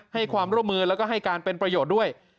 ให้ความร่วมมือแล้วก็ให้การเป็นประโยชน์ด้วย